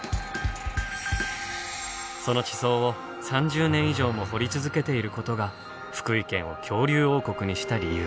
その地層を３０年以上も掘り続けていることが福井県を恐竜王国にした理由。